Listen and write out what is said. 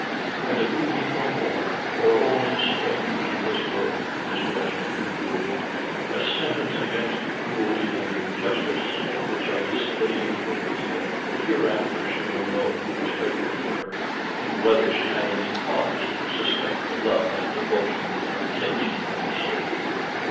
"And if we meet no more, or only as strangers in this world," Mr. Esmond concluded, "a sentence against the cruelty and injustice of which I disdain to appeal; hereafter she will know who was faithful to her, and whether she had any cause to suspect the love and devotion of her kinsman and servant."